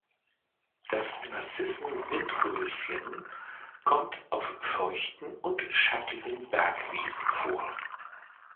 Das Narzissen-Windröschen kommt auf feuchten und schattigen Bergwiesen vor.